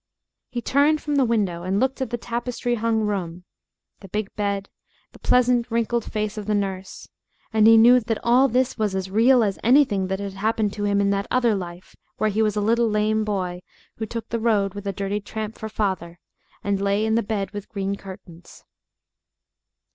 He turned from the window and looked at the tapestry hung room the big bed, the pleasant, wrinkled face of the nurse and he knew that all this was as real as anything that had happened to him in that other life where he was a little lame boy who took the road with a dirty tramp for father, and lay in the bed with green curtains.